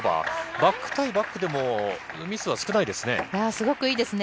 バック対バックでもミスは少ないすごくいいですね。